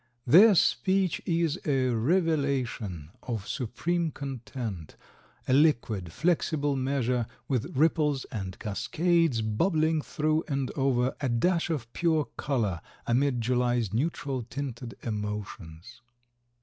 Their speech is a revelation of supreme content, a liquid, flexible measure with ripples and cascades bubbling through and over, a dash of pure color amid July's neutral tinted emotions.